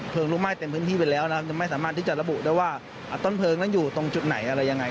ลุกไหม้เต็มพื้นที่ไปแล้วนะครับยังไม่สามารถที่จะระบุได้ว่าต้นเพลิงนั้นอยู่ตรงจุดไหนอะไรยังไง